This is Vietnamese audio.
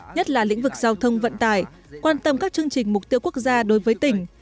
nhất là lĩnh vực giao thông vận tải quan tâm các chương trình mục tiêu quốc gia đối với tỉnh